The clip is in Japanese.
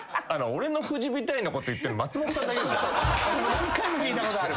何回も聞いたことある。